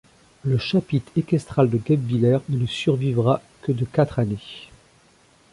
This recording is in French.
Le chapitre équestral de Guebwiller ne lui survivra que de quatre années.